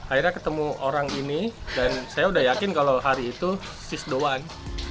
akhirnya ketemu orang ini dan saya udah yakin kalau hari itu sis doang